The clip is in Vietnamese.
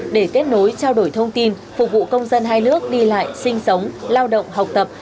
để kết nối trao đổi thông tin phục vụ công dân hai nước đi lại sinh sống lao động học tập